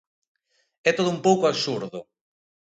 É todo un pouco absurdo.